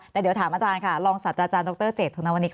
แต่เดี๋ยวถามอาจารย์ค่ะรองศัตว์อาจารย์ดรเจธนวนิก